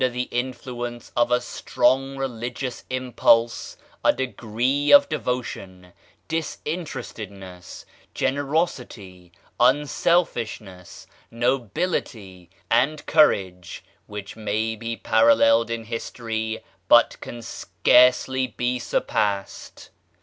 [page ix] influence of a strong religious impulse a degree of devotion, disinterestedness, generosity, unselfishness, nobility, and courage which may be paralleled in history, but can scarcely be surpassed.